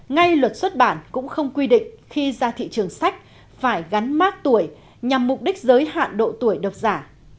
ngay luật xuất bản cũng không quy định khi ra thị trường sách phải gắn mác tuổi nhằm mục đích giới hạn độ tuổi đọc giả